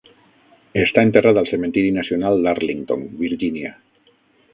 Està enterrat al cementiri nacional d'Arlington, Virgínia.